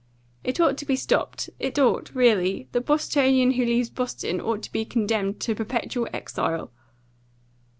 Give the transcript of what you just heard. It ought to be stopped it ought, really. The Bostonian who leaves Boston ought to be condemned to perpetual exile."